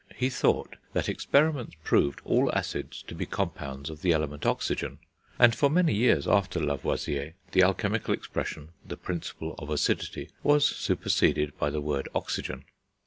He thought that experiments proved all acids to be compounds of the element oxygen; and for many years after Lavoisier, the alchemical expression the principle of acidity was superseded by the word oxygen.